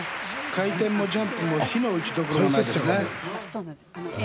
回転もジャンプも非の打ちどころがないですね。